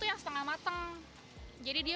yang setengah mateng jadi dia